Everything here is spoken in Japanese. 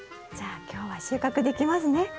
じゃあ今日は収穫できますね。